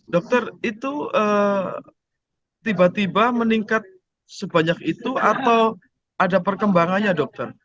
dokter itu tiba tiba meningkat sebanyak itu atau ada perkembangannya dokter